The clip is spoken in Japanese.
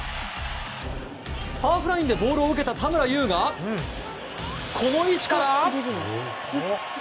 ハーフラインでボールを受けた田村優がこの位置から。